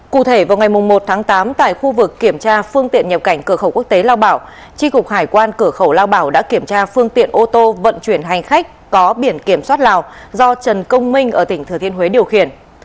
cụ thể vào ngày một tháng tám tại khu vực kiểm tra phương tiện nhập cảnh cửa khẩu quốc tế lao bảo tri cục hải quan cửa khẩu lao bảo đã kiểm tra phương tiện ô tô vận chuyển hành khách có biển kiểm soát lào do trần công minh ở tỉnh thừa thiên huế điều khiển